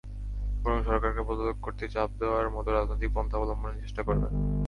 বরং সরকারকে পদত্যাগ করতে চাপ দেওয়ার মতো রাজনৈতিক পন্থা অবলম্বনের চেষ্টা করবেন।